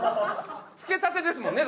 付けたてですもんね？